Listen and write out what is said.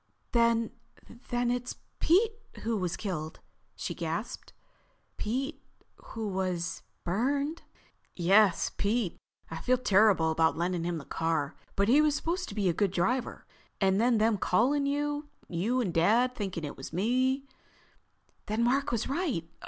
"Then—then it's Pete who was killed?" she gasped. "Pete who was—burned?" "Yes, Pete. I feel terrible about lending him the car. But he was supposed to be a good driver. And then them calling you, you and Dad thinking it was me—" "Then Mark was right.